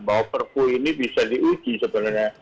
bahwa perpu ini bisa diuji sebenarnya